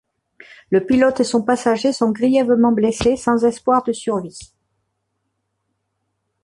Le pilote et son passager sont grièvement blessés, sans espoir de survie.